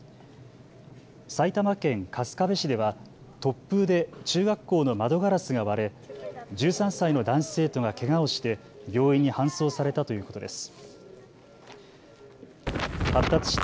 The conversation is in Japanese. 埼玉県春日部市では突風で中学校の窓ガラスが割れ１３歳の男子生徒がけがをして病院に搬送されたということです。